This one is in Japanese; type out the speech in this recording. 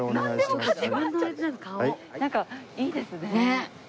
なんかいいですね。